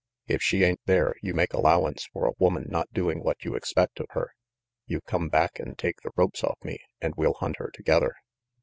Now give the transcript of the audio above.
If she ain't there, you make allowance for a woman not doing what you expect of her. You come back and take the ropes off me, and we'll hunt her together."